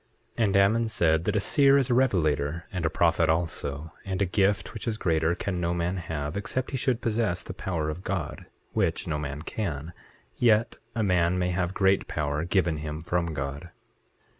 8:16 And Ammon said that a seer is a revelator and a prophet also; and a gift which is greater can no man have, except he should possess the power of God, which no man can; yet a man may have great power given him from God.